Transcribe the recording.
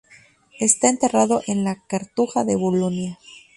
Está enterrado en la Cartuja de Bolonia.